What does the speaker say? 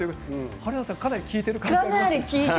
春菜さん、効いている感じがありますか？